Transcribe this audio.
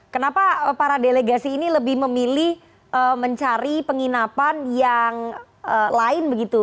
kenapa para delegasi ini lebih memilih mencari penginapan yang lain begitu